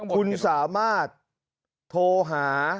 คุณสามารถโทรหา